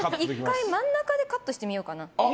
１回、真ん中でカットしてみようかな。